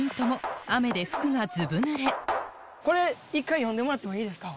これ一回読んでもらってもいいですか？